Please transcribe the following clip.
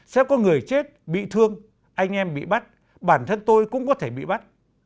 sẽ có người chết bị thương anh em bị bắt bản thân tôi cũng có thể bị bắt